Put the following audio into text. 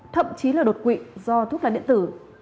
thậm chí là đột quỵ do thuốc lá điện tử